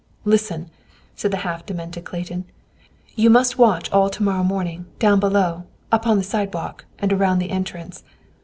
"Listen," said the half demented Clayton. "You must watch all to morrow morning, down below, upon the sidewalk, and around the entrance.